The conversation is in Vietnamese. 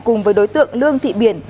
cùng với đối tượng lương thị biển